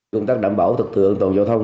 công tác đảm bảo thực tự an toàn giao thông